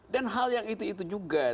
dan hal yang itu juga